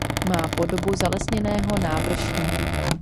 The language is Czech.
Má podobu zalesněného návrší.